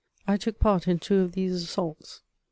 I took part in two of these assaults.